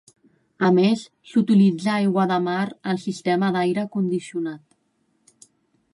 A més, s'utilitza aigua de mar al sistema d'aire condicionat.